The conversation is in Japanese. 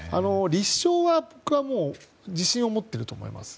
立証は自信を持っていると思います。